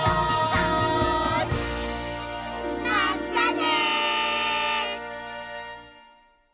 まったね！